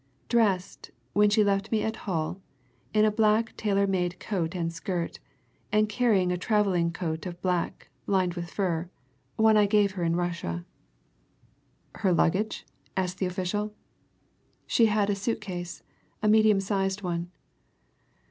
Dressed when she left me at Hull in a black tailor made coat and skirt, and carrying a travelling coat of black, lined with fur one I gave her in Russia." "Her luggage?" asked the official. "She had a suit case: a medium sized one."